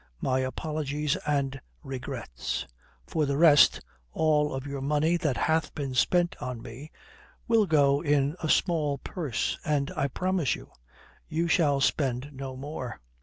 My apologies and regrets. For the rest, all of your money that hath been spent on me will go in a small purse, and, I promise you, you shall spend no more.